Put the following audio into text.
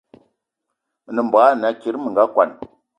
Me nem mbogue ana kiri me nga kwan